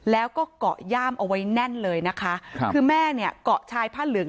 แล้วก็เกาะย่ามเอาไว้แน่นเลยนะคะครับคือแม่เนี่ยเกาะชายผ้าเหลือง